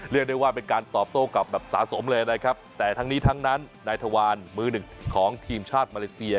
เรียกได้ว่าเป็นการตอบโต้กลับแบบสะสมเลยนะครับแต่ทั้งนี้ทั้งนั้นนายทวารมือหนึ่งของทีมชาติมาเลเซีย